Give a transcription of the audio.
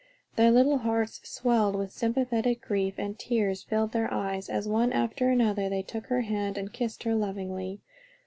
Their little hearts swelled with sympathetic grief, and tears filled their eyes as one after another they took her hand and kissed her lovingly.